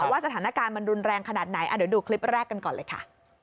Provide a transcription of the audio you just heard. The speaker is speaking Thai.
ว่าสถานการณ์มันรุนแรงขนาดไหนเดี๋ยวดูคลิปแรกกันก่อนเลยค่ะ